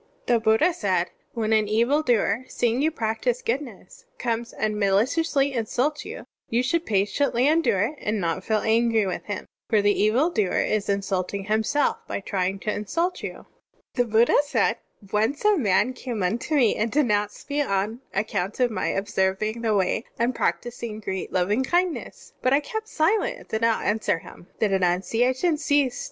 (6) The Buddha said: "When an evil doer, seeing you practise goodness, comes and mali ciously insults you, you should patiently endure it and not feel angry with him, for the evil doer is insulting himself by trying to insult you.*' Digitized by Google ^ SERMONS OP A BUDDHIST ABBOT (7) The Buddha said: "Once a man came unto me and denoiuiced me on accoimt of my observing the Way and practising great loving kindness. But I kept silent and did not answer him. The denunciation ceased.